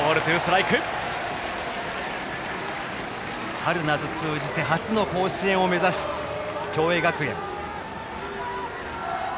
春夏通じて初の甲子園を目指す共栄学園。